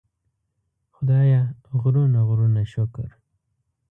خدایه غرونه غرونه شکر.